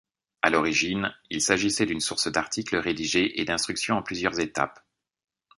À l'origine, il s'agissait d'une source d'articles rédigés et d'instructions en plusieurs étapes.